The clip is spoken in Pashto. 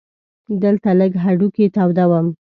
دلته لږ هډوکي تودوم.